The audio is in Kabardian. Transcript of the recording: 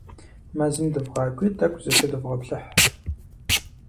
Мэзым дывгъакӀуи, тӀэкӀу зыщыдвгъэплъыхь.